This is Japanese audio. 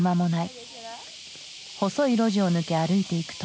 細い路地を抜け歩いていくと。